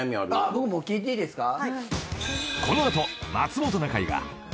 僕も聞いていいですか？